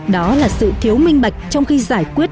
đó là sự thiếu minh bạch trong khi giải quyết